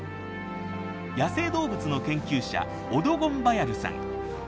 野生動物の研究者オドゴンバヤルさん。